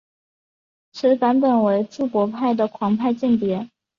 此版本为注博派的狂派间谍。